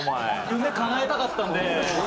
夢叶えたかったんで。